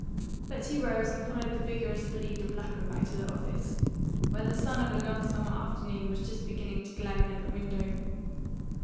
But he rose and followed the vigorous lead of Lapham back to the office, where the sun of a long summer afternoon was just beginning to glare in at the window.